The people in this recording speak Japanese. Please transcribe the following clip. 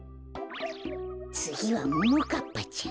つぎはももかっぱちゃん。